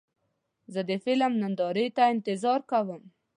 زه د فلم نندارې ته انتظار کوم.